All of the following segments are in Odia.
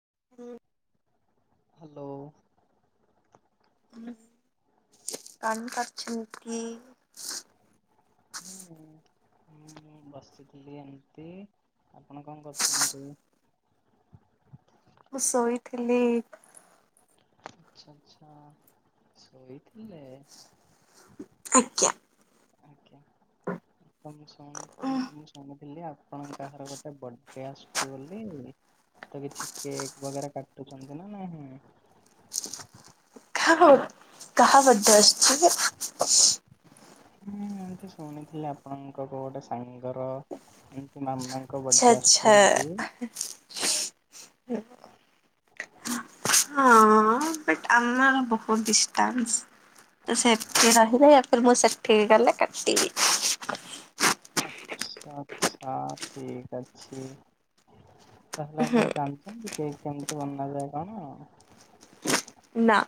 [inaudible] ହ୍ୟାଲୋ। ହ କଣ କାଛ ନତି। ହୁଁ ହୁଁ ବସିଥିଲି ଏମିତି। ଆପଣ କଣ କରୁଛନ୍ତି? ମୁଁ ଶୋଇଥିଲି। ଆଚଛା ଆଚ୍ଛା ଶୋଇ ଆଜ୍ଞା। ଆଜ୍ଞା ମୁଁ ଶୁଣୁଥି- ମୁଁ ଶୁଣୁଥିଲି ଆପଣ କାହାର ଗୋଟେ ବଡ୍ ଇଏ ଆସୁଛି ବୋଲି ତ କିଛି କେକ୍ ବଗେରା କାଟୁଛନ୍ତି ନା ନାହିଁ? କାହା ବଡେ- କାହା ବଡେ ଆସୁଛି କି? ହୁଁ ମୁ ତ ଶୁଣିଥିଲି ଆପଣଙ୍କ କଉ ଗୋଟେ ସାଙ୍ଗର ଏତି ମାମାଙ୍କ ବର୍ଥଡେ ଆସୁଛି ଆଚଛା ବୋଲି। ଆଚଛା। ହଁ ବଟ ଆମର ବହୁତ ଡିଷ୍ଟାନ୍ସ। ତ ସେଠି ରହିଲେ ୟା ଫିର୍ ମୁଁ ସେଠିକି ଗଲେ କାଟିବି। ଆଛା ଆଚଛା ଠିକ୍ ଅଛି। ତାହେଲେ ଆପଣ ଜାଣିଛନ୍ତି କି କେମିତି ବନା ଯାଏ କଣ? ନାଁ।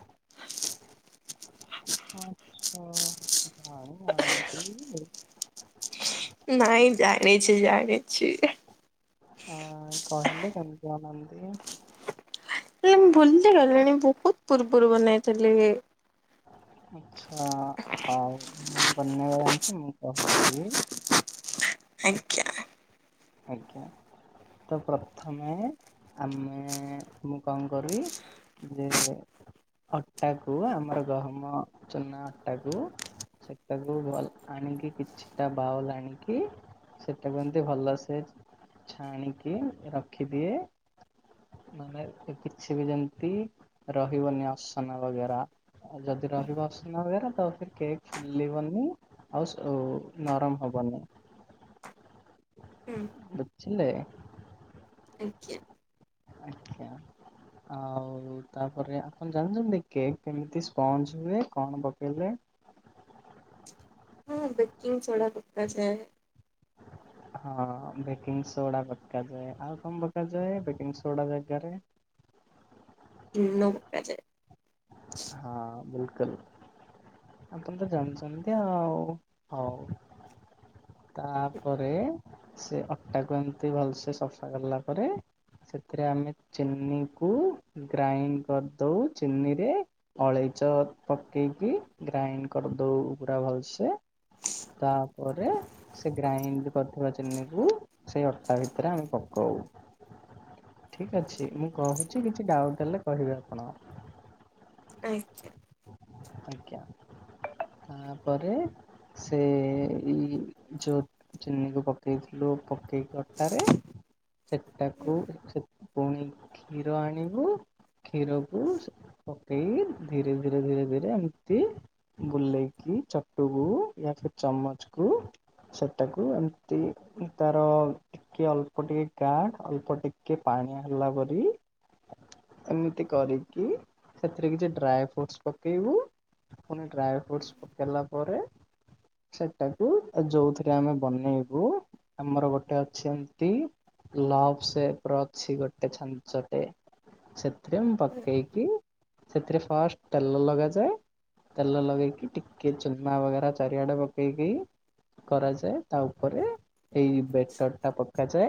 ଆଛା ଆଉ [unintelligible] ନାଇଁ ଜାଣିଛି ଜାଣିଛି। ହଁ କହିଲେ କେମନ୍ତି ବନାନ୍ତି? ମୁ ଭୁଲି ଗଲିଣି ବହୁତ ପୂର୍ବରୁ ବନେଇଥିଲି। ଆଛା ହଉ ମୁଁ ବନେଇବା ଜାଣିଛି ମୁଁ କହୁଛି। ଆଜ୍ଞା। ଆଜ୍ଞା। ତ ପ୍ରଥମ ଆମେ ମୁଁ କଣ କରିବି ଯେ ଅଟା କୁ ଆମର ଗହମ ଚୁନା ଅଟାକୁ ସେଟାକୁ ଭଲ ଆଣିକି କିଛିଟା ବାଉଲ୍ ଆଣିକି ସେଟାକୁ ଏମିତି ଭଲ ସେ ଛାଣିକି ରଖିଦିଏ। ମାନେ ଏ କିଛି ବି ଯେମିତି ରହିବନି ଅସନା ବଗେରା। ଆଉ ଯଦି ରହିବ ଅସନା ବଗେରା ତ ସେ କେକ୍ ଫୁଲିବନି। ଆଉ ଅ, ନରମ ହ ବନି। [inaudible] ହୁଁ ବୁଝିଲେ? ଆଜ୍ଞା। ଆଖ୍ୟା। ଆଉ ତାପରେ ଆପଣ ଜାଣିଚନ୍ତି କେକ୍ କେମିତି ସ୍ପଞ୍ଜ ହୁଏ କଣ ପକେଇଲେ? [inaudible] ହଁ ବେକିଂ ସୋଡ଼ା ପକାଯାଏ। ହଁ ବେକିଂ ସୋଡା ପକାଯାଏ। ଆଉ କଣ ପକାଯାଏ ବେକିଂ ସୋଡା ଜାଗାରେ? ଲୁଣ ପକାଯାଏ। ହଁ ବିଲ କୁଲ ଆପଣ ତ ଜାଣିଚନ୍ତି ଆଉ ହଉ। ତାପରେ ସେ ଅଟା କୁ ଏମତି ଭଲସେ ସଫା କଲା ପରେ। ସେଥିରେ ଆମେ ଚିନି କୁ ଗ୍ରାଇଣ୍ଡ କରିଦଉ। ଚିନିରେ ଅଳେଇଚ ପକେଇକି ଗ୍ରାଇଣ୍ଡ କରିଦଉ ପୁରା ଭଲସେ। ତାପରେ ସେ ଗ୍ରାଇଣ୍ଡ କରିଥିବା ଚିନିକୁ ସେଇ ଅଟା ଭିତରେ ଆମେ ପକଉ। [inaudible] ଠିକ ଅଛି ମୁଁ କହୁଛି କିଛି ଡାଉଟ୍ ହେଲେ କହିବେ ଆପଣ। ଆଚ୍ଛା। ଆଜ୍ଞା, ତାପରେ ସେ ଇ ଯୋଉ ଚିନିକୁ ପକେଇଥିଲୁ ପକେଇକି ଅଟାରେ ସେଟାକୁ ସେ ପୁଣି କ୍ଷୀର ଆଣିବୁ। କ୍ଷୀରକୁ ସେ ପକେଇ ଧୀରେ ଧୀରେ ଧୀରେ ଧୀରେ ଯେ ଏମିତି ବୁଲେଇକି ଚଟୁକୁ ୟା ଫେର୍ ଚାମଚ କୁ ସେଟାକୁ ଏମତି ତାର ଟିକେ ଅଳ୍ପ ଟିକେ କା ଅଳ୍ପ ଟିକେ ପା ପାଣିଆ ହେଲା ପରି ଏମିତି କରିକି ସେଥିରେ କିଛି ଡ୍ରାଏ ଫ୍ରୁଟସ୍ ପ ପକେଇବୁ। ପୁଣି ଡ୍ରାଏ ଫ୍ରୁଟସ୍ ପକାଇଲା ପରେ [inaudible] ସେଟାକୁ ଅ, ଯୋଉଥିରେ ଆମେ ବନେଇବୁ ଆମର ଗୋଟେ ଅଛି ଏମତି ଲଭସେପ୍ ର ଅଛି ଗୋଟେ ଛାଞ୍ଚଟେ। ସେ ଦେନ୍ ପକେଇକି ସେଥିରେ ଫାଷ୍ଟ ତେଲ ଲଗାଯାଏ। ତେଲ ଲଗେଇକି ଟିକେ ଚୁନା ବଗେରା ଚାରିଆଡେ ପକେଇକି। କରାଯାଏ। ତା ଉପରେ ଏଇ ବେଟର୍ ଟା ପକାଯାଏ।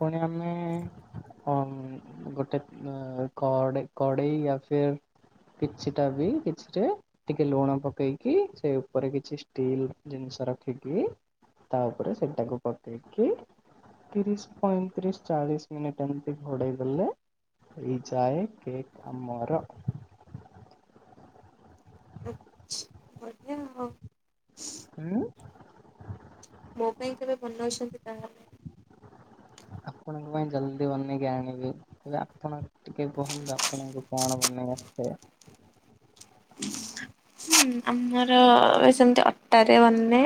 ପୁଣି ଆମେ ହଁ ଗୋଟେ ଅ, କଡେ କଡେଇ ଅଛି। କିଛିଟା ବି କିଛି ରେ ଟିକେ ଲୁଣ ପକେଇକି ସେ ଉପରେ କିଛି ଷ୍ଟିଲ୍ ଜିନି ଷ ରଖିକି ତା ଉପରେ ସେଟାକୁ ପକେଇକି। ତିରିଶ, ପଇଁତିରିଶ, ଚାଳିଶ ମିନିଟ୍ ଏମତି ଘୋଡେଇ ଦେଲେ। ହେଇଯାଏ କେକ୍ ଆମର। ଆଛ ବଢିଆ ଆଉ। ହୁଁ, ମୋ ପାଇଁ କେବେ ବନଉଛନ୍ତି ତାହା? [inaudible] ଆପଣଙ୍କ ପାଇଁ ଜଲଦି ବନେଇକି ଆଣିବି। ହେଲେ ଆପଣ ଟିକେ କୁହନ୍ତୁ ଆପଣଙ୍କୁ କଣ ବନେଇବା [unintelligible] [inaudible] ହୁଁ ଆମର ସେମ୍ ତି ଅଟାରେ ବନେ।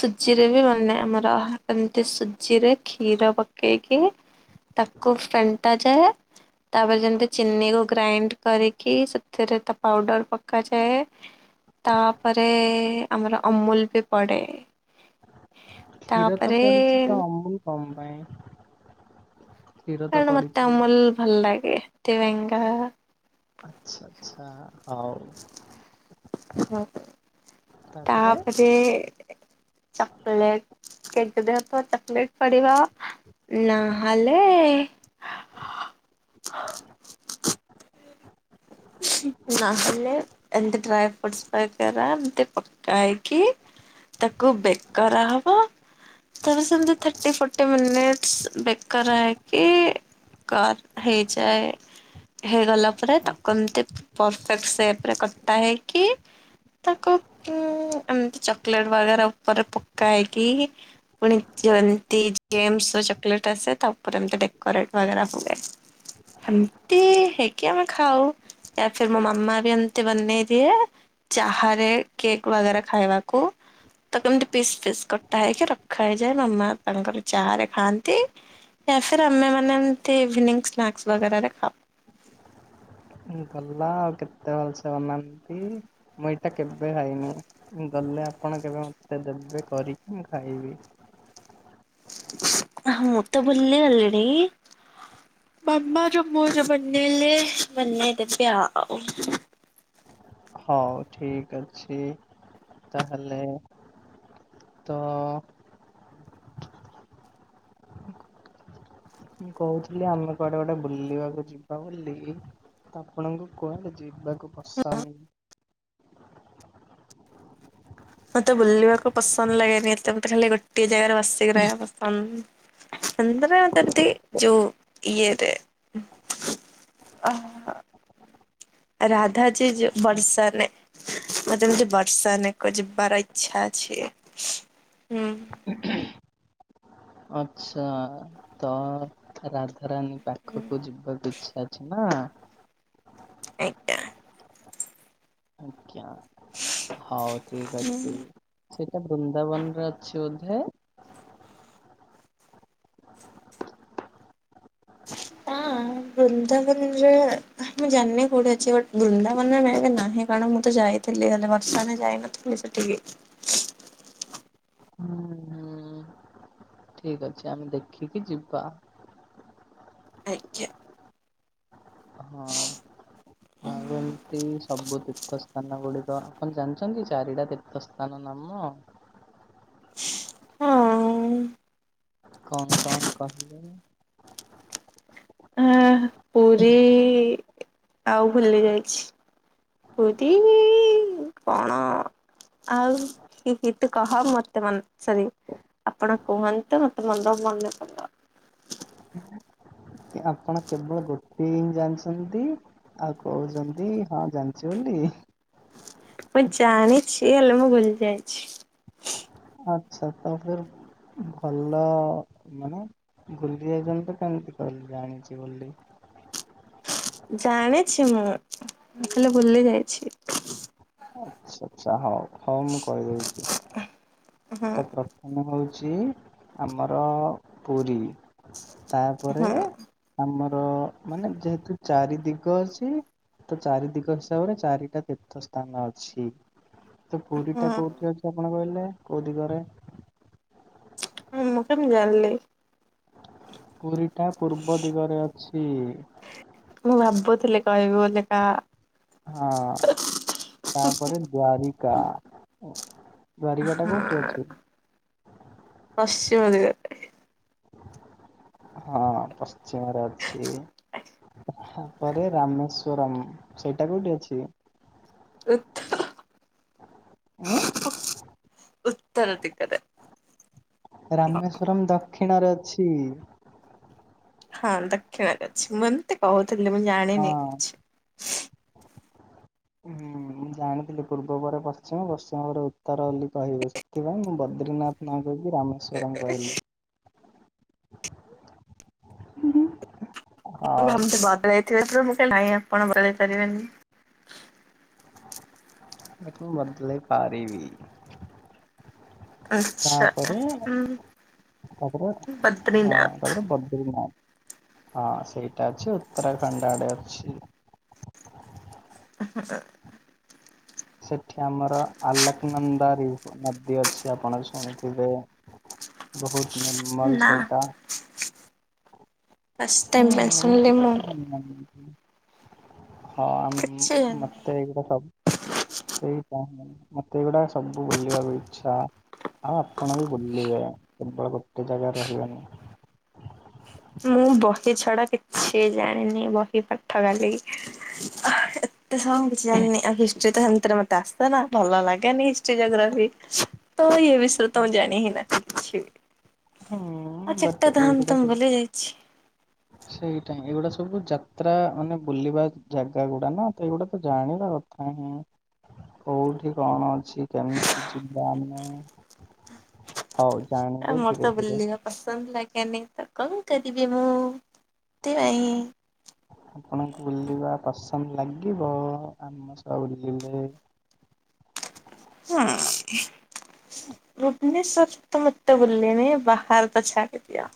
ସୁଜିରେ ବି ବନେ ଆମର ଏମ୍ ତି ସୁଜିରେ କ୍ଷୀର ପକେଇକି ତାକୁ ଫେଣ୍ଟା ଯାଏ। ତାପରେ ଯେମ୍ ତି ଚିନିକୁ ଗ୍ରାଇଣ୍ଡ୍ କରିକି ସେଥିରେ ତା ପାଉଡର୍ ପକାଯାଏ। ତାପରେ ଆମର ଅମୁଲ୍ ବି ପଡ଼େ। କ୍ଷୀର ତ ପଡ଼ିଚି ତ ଅମୁଲ୍ କଁ ପାଇଁ? କ୍ଷୀର ତ କାରଣ ମତେ ପଡିଛି। ଅମୁଲ୍ ଭଲ ଲାଗେ ଏଥିପାଇଁକା ଆଚ୍ଛା ଆଚ୍ଛା ହଉ। ତାପରେ ଚକଲେଟ୍ କେକ୍ ଦେହରେ ତ ଚକଲେଟ୍ ପଡ଼ିବ ନହଲେ [unintelligible] ନହଲେ ଏମ୍ ତି ଡ୍ରାଏ ଫୁଟସ୍ ପାକେରା ଏମ୍ ତି ପକାଇକି ତାକୁ ବେକ୍ କରା ହବ। ତାକୁ ସେମ୍ ତି ଥାର୍ଟି ଫୋର୍ଟି ମିନିଟସ୍ ବେକ୍ କରା ହେଇକି କର୍ ହେଇଯାଏ ହେଇଗଲା ଆଚ୍ଛ୍। ପରଫେକ୍ଟ୍ ସେପ୍ ରେ କଟା ହେଇକି ତାଙ୍କୁ ଉଁ ଏମ୍ ତି ଚକଲେଟ୍ ବାଗେରା ଉପରେ ପକା ହେଇକି ପୁଣି [unintelligible] ମ୍ ତି ଜେମସ୍ ର ଚକୋଲେଟ ଆସେ ତା ଉପରେ ଏମ୍ ତି ଡେକୋରେଟ୍ ବାଗେରା ହୁଏ। ହେମ୍ ତି ହେଇକି ଆମେ ଖାଉ ୟା ଫିର୍ ମୋ ମାମା ବି ଏମ୍ ତି ବନେଇ ଦିଏ। ଚାହାରେ କେକ୍ ବାଗେରା ଖାଇବାକୁ ତ କେମ୍ ତି ପିସ୍ ପିସ୍ କଟା ହେଇକି ରଖା ହେଇଯାଏ ମାମା ତାଙ୍କର ଚାହାରେ ଖାଆନ୍ତି। ୟା ଫିର୍ ଆମେ ମାନେ ଏମ୍ ତି ଇଭିନିଂ ସ୍ନାକ୍ସ୍ ବଗେରା ରେ ଖାଉ। ଗଲା ଆଉ କେତେ ଭଲ୍ ସେ ବନାନ୍ତି ମୁଁ ଏଇଟା କେବେ ଖାଇନି ଗଲେ ଆ ଆପଣ କେବେ ମତେ ଦେବେ କରିକି ମୁଁ ଖାଇବି। ହଁ ମୁଁ ତ ଭୁଲି ଗଲିଣି। ବାବା ଯୋ ମୋ ଯୋ ବନେଇଲେ ବନେଇଦେବେ ଆଉ। ହଉ ଠିକ୍ ଅଛି ତାହେଲେ। ତ ମୁଁ କହୁଥିଲି ଆମେ କୁଆଡ଼େ ଗୋଟେ ବୁଲିବାକୁ ଯିବା ବୋଲି ତ ଆପଣଙ୍କୁ କୁଆଡ଼େ ଯିବା କୁ ପସନ୍ଦ୍? ମତେ ବୁଲିବାକୁ ପସନ୍ଦ୍ ଲାଗେନି ଏତେ ମତେ ଖାଲି ଗୋଟିଏ ଜାଗାରେ ବସିକି ରହିବାକୁ ପସନ୍ଦ୍। ଏମ୍ ତିରେ ଯେମ୍ ତି ଯୋଉ ଇଏରେ। ଆ ହା ହା। ରାଧା ଜି ଯୋ ବର୍ଷାନେ ମତେ ଏମ୍ ତି ବର୍ଷାନେ କୁ ଯିବାର ଇଚ୍ଛା ଅଛି। ହୁଁ [unintelligible] ଆଚ୍ଛା ତ ରାଧାରାନୀ ପାଖକୁ ଯିବାକୁ ଇଚ୍ଛ୍ ଅଛି ନାଁ? ଆଜ୍ଞା। ଜ୍ଞା ହଉ ଠିକ୍ ଅଛି ସେଇଟା ବୃନ୍ଦାବନ୍ ରେ ଅଛି ବୋଧେ? ହେ ହଁ ବୃନ୍ଦାବନ୍ ରେ ମୁଁ ଜାଣିନି କୋଉଠି ଅଛି ବଟ୍ ବୃନ୍ଦାବନ୍ ରେ ମେ ବି ନାହିଁ କ ରଣ ମୁଁ ତ ଯାଇଥିଲି ଆର ବର୍ଷରେ ଯାଇନଥିଲି ସେଠିକି। ଠିକ୍ ଅଛି ଆମେ ଦେଖିକି ଯିବା। ଆଜ୍ଞା। ଏମତି ସବୁ ତୀର୍ଥସ୍ଥାନ ଗୁଡିକ, ଆପଣ ଜାଣିଛନ୍ତି ଚାରିଟା ତୀର୍ଥ ସ୍ଥାନ ନାମ? ହଁ। କଣ କଣ କହିଲୁ? ଆଁ ପୁରୀ, ଆଉ ଭୁଲି ଯାଇଛି? ପୁରୀ କଣ ଆଉ କି କି ତୁ କହ, ମତେ ମାନେ ସରି ଆପଣ କୁହନ୍ତୁ, ମତେ ମନ ମନେ ପଡିବ। ହୁଁ ଆପଣ କେବଳ ଗୋଟେ ହିଁ ଜାଣିଛନ୍ତି, ଆଉ କହୁଛନ୍ତି ହଁ ଜାଣିଛି ବୋଲି। ହି। ମୁଁ ଜାଣିଛି, ହେଲେ ମୁଁ ଭୁଲି ଯାଇଛି। ଆଚ୍ଛା ତ ଫିର ଭଲ ଆଉ ମାନେ ଭୁଲି ଯାଉଛନ୍ତି, ତ କେମିତି କହିଲି ଜାଣିଛି ବୋଲି। ଜାଣିଛି ମୁଁ, ହେଲେ ଭୁଲି ଯାଇଛି। ଆଚ୍ଛା ଆଚ୍ଛା ହଉ ହଉ ମୁଁ କହିଦଉଛି, ତ ପ୍ରଥମେ ହଉ ଛି ଆମର ପୁରୀ, ତାପରେ ଆମ ର ମାନେ ଯେହେତୁ ଚାରି ଦିଗ ଅଛି। ତ ଚାରି ଦିଗ ହିସାବରେ, ଚାରିଟା ତୀର୍ଥ ସ୍ଥାନ ଅଛି। ତ ପୁରୀ ଟା କୋଉଠି ଅଛି, ଆପଣ କହିଲେ କୋଉ ଦିଗରେ? ହଁ ମୁଁ କେମିତି ଜାଣିଲି? ପୂ ମୁଁ ଭାବୁଥିଲି କହିବି ବୋଲି କା। ହଁ ତାପରେ ଦ୍ୱାରିକା, ଦ୍ୱାରିକା ଟା କୋଉଠି ଅଛି? ପଶ୍ଚିମ ଦିଗରେ। ହଁ ପଶ୍ଚିମରେ ଅଛି। ତୃତୀୟରେ ରାମେଶ୍ଵରମ, ସେଇଟା କୋଉଠି ଅଛି? [unintelligible] ଉଁ ଉତ୍ତର ଦିଗରେ। ରାମେଶ୍ଵରମ ଦକ୍ଷିଣରେ ଅଛି। ହଁ ଦକ୍ଷିଣରେ ଅଛି। ମୁଁ ଏମତି କହୁଥିଲି ମୁଁ ହଁ। ଜାଣିନି କିଛି। ହୁଁ ମୁଁ ଜାଣିଥିଲି ପୂର୍ବ ପରେ ପଶ୍ଚିମ ପଶ୍ଚିମ ପରେ ଉତ୍ତର ବୋଲି କହିବେ, ସେଥିପାଇଁ ମୁଁ ବଦ୍ରିନାଥ ନାଁ ନ କହିକି ରାମେଶ୍ୱରମ କହିଲି। ମୁଁ ହଉ ଭାବୁଥିଲି ବଦଳେଇ ଥିବେ, [unintelligible] ନାଇଁ ଆପଣ ବଦଳେଇ ପାରିବେନି। ତାକୁ ମୁଁ ବଦଳେଇ ପାରିବି। ଆଚ୍ଛା ତାପରେ ହୁଁ ତାପରେ ହଁ ବଦ୍ରିନାଥ ତାପରେ ବଦ୍ରୀନାଥ। ହଁ ସେଇଟା ଅଛି, ଉତ୍ତରାଖଣ୍ଡ ଆଡେ ଅଛି। [unintelligible] ସେଠି ଆମର, ଆଲୋକନନ୍ଦାରି ନଦୀ ଅଛି ଆପଣ ଶୁଣିଥିବେ? ବହୁତ ନିର୍ମଳ ନା ସେଇଟା। ଫାଷ୍ଟ ଟାଇମ୍ ପାଇଁ ଶୁଣିଲି ହୁଁ ମୁଁ [unintelligible] ହଁ ଆ କିଛି ଜାଣିନି। ମତେ ଏଇଗୁଡା ସବୁ ସେଇ ତ ମତେ ଏଗୁଡା ସବୁ ବୁଲିବାକୁ ଇଚ୍ଛା। ଆଉ ଆପଣ ବି ବୁଲିବେ, କେବଳ ଗୋଟେ ଜାଗାରେ ରହିବେନି। [inaudible] ମୁଁ ବହି ଛଡା କିଛି ଜାଣିନି, ବହି ପାଠ ଖାଲିି ଏତେ ସ [unintelligible] କିଛି ଜାଣିନି ଆଉ ହିଷ୍ଟ୍ରି ତ ସେମିତିରେ ମତେ ଆସେନା, ଭଲ ଲାଗେନି ହିଷ୍ଟ୍ରି ଜୋଗ୍ରାଫି ତ ଏ ବିଷୟରେ ତ ମୁଁ ଜାଣି ହିଁ ନା କିଛି ବି। ଆଉ ହୁଁ ବଟ୍ ଚାରିଟା ଧାମ ଏଇଗୁଡା ତ ମୁଁ ସବୁ ଭୁଲିଯା ହଁ ସେଇଟା ଏଇଗୁଡା ସବୁ ଯାତ୍ରା ମାନେ ବୁଲିବା ଜାଗା ଗୁଡା ନା, ତ ଏଇଗୁଡା ତ ଜାଣିବା କଥା। ହଁ କୋଉଠି କଣ ଅଛି, କେମିତି ଯିବା ଆମେ? ହୁଁ ହଉ ଏ ଜାଣିବେ ମୋର ଧୀରେ ତ ଧୀରେ। ବୁଲିବା ପସନ୍ଦ ଲା କେମିତ ତ କଁ କରିବି ମୁଁ ଟାଇଁ ଆପଣଙ୍କୁ ବୁଲିବା ପସନ୍ଦ ଲାଗିବ ଆମ ସହ ବୁଲିଲେ। ହୁଁ ଭୁବନେଶ୍ୱରରେ ତ ମୁଁ ଏତେ ବୁଲେନି ବାହରେ ତ ଛାଡ଼ିଦିଅ।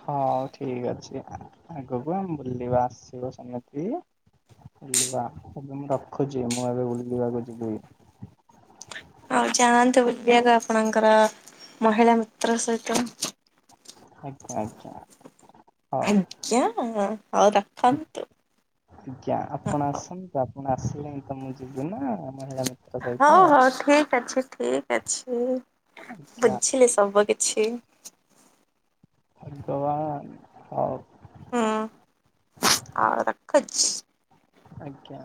ହୋଉ ଠିକ ଅଛି ଆ ଆଗକୁ ଆମେ ବୁଲିବା ଆସିବ ସେମିତି। ବୁଲିବା ଏବେ ମୁଁ ରଖୁଚି ମୁଁ ଏବେ ବୁଲି ଯିବାକୁ ଯିବି। ହୋଉ ଯାଆନ୍ତୁ ବୁଲିବାକୁ ଆପଣଙ୍କର ମହିଳା ମିତ୍ର ସହିତ। ଆଜ୍ଞା ଆଜ୍ଞା। ହୋଉ ଆଜ୍ଞା ହଉ ରଖନ୍ତୁ। ଆଜ୍ଞା ଆପଣ ଆସନ୍ତୁ ତା ଆପଣ ଆସିଲେ ହିଁ ତ ମୁଁ ଯିବି ନା। ମହିଳା ମିତ୍ର ସହିତ। ହଁ ହଁ ଠିକ ଅଛି ଠିକ ଅଛି। ଆଜ୍ଞା ବୁଝିଲି ସବୁ କିଛି। ଆଜି ତମ ହୋଉ। ହୁଁ ଆଉ ରଖୁଚି। ଆଜ୍ଞା।